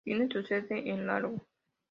Tiene su sede en Largo.